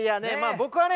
僕はね